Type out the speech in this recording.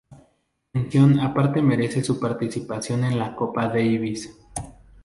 Mención aparte merece su participación en la Copa Davis.